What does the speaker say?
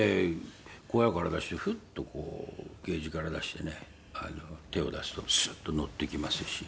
小屋から出してフッとこうケージから出してね手を出すとスッと乗ってきますし。